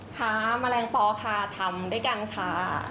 ค่ะแมลงปอค่ะทำด้วยกันค่ะ